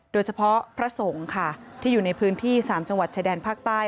โดยเฉพาะพระสงฆ์ค่ะที่อยู่ในพื้นที่๓จังหวัดชายแดนภาคใต้